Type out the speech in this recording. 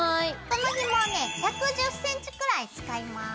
このひもをね１１０ｃｍくらい使います。